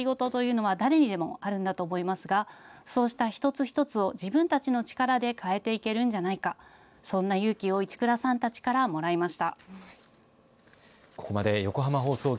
身近な困り事というのは誰にでもあるんだと思いますがそうした一つ一つを自分たちの力で変えていけるんじゃないか、そんな勇気を市倉さんたちからもらいました。